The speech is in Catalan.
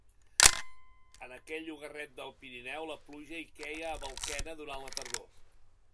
En aquell llogarret del Pirineu la pluja hi queia a balquena durant la tardor.